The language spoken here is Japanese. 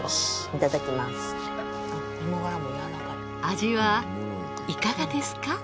味はいかがですか？